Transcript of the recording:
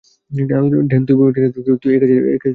Danny, তুই বলেছিলি এই কাজ তুই ছেড়ে দিয়েছিস।